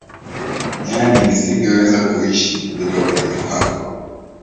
yaani nisingeweza kuishi bila upendo wako